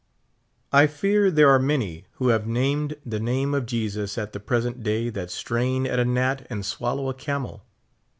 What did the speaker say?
I fear there are many who have named the name of Jesus at the present day that strain at a gnat and swallow a camel.